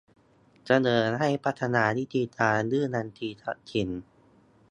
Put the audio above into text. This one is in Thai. เสนอให้พัฒนาวิธีการยื่นบัญชีทรัพย์สิน